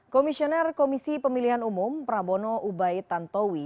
komisioner komisi pemilihan umum prabono ubaid tantowi